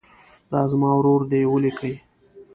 دا زما ورور دی ولیکئ.